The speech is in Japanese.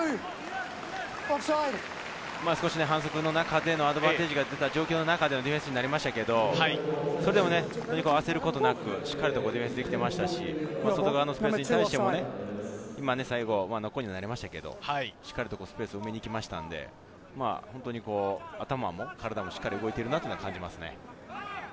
今、少し反則の中でのアドバンテージが出た中でのディフェンになりましたけれど、それでも焦ることなく、しっかりディフェンスできてましたし、外側の選手に対しても、最後ノックオンになりましたけど、しっかりスペースを埋めに行きましたので、本当に頭も体もしっかり動いてるなと感じますね。